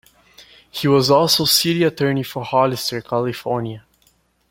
He was also city attorney for Hollister, California.